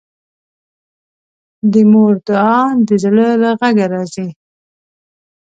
د مور دعا د زړه له غږه راځي